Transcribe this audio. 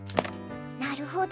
なるほど。